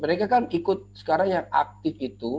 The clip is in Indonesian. mereka kan ikut sekarang yang aktif itu